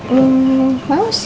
hmm mau sih